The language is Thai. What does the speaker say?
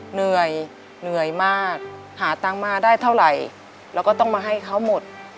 เหนื่อยเหนื่อยมากหาตังค์มาได้เท่าไหร่เราก็ต้องมาให้เขาหมด